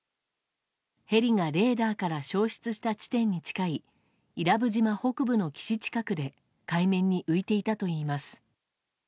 ヘリがレーダーから消失した地点に近い伊良部島北部の岸近くで海面に浮いていたといいます。